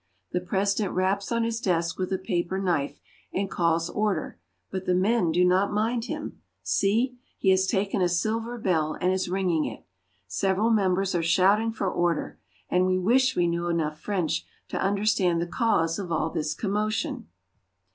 The President raps on his desk with a paper knife, and calls order, but the men do not mind him. See ! He has taken a silver bell and is ringing it. Several members are shouting for order, and we wish we knew enough French to understand the cause of all this commotion.